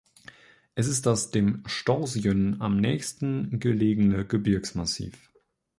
Es ist das dem Storsjön am nächsten gelegene Gebirgsmassiv.